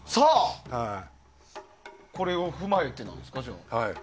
これを踏まえてなんですか？